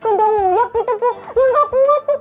kedengar uya gitu bapak